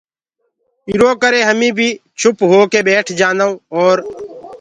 ايٚرو ڪري هميٚنٚ بي چُپ هوڪي ٻيٺ جآنٚدآئونٚ اورَ